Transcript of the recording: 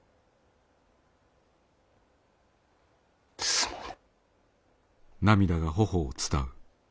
すまぬ。